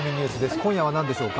今夜は何でしょうか？